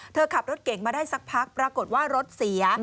เธอขับรถเก่งมาได้สักพักปรากฏว่ารถเสีย